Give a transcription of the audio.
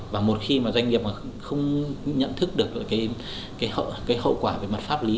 và một khi mà doanh nghiệp mà không nhận thức được cái hậu quả về mặt pháp lý